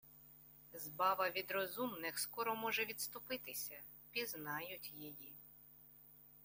Зваба від розумних скоро може відступитися: пізнають її.